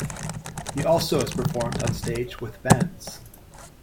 He also has performed on stage with bands.